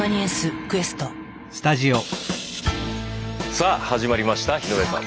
さあ始まりました井上さん。